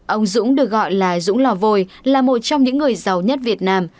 ông dũng được gọi là dũng lò vôi là một trong những người giàu nhất việt nam